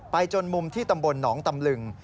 จนมุมที่ตำบลหนองตำลึง